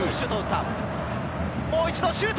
もう一度シュート！